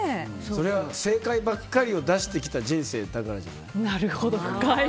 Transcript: それは正解ばっかりを出してきた人生だからじゃない？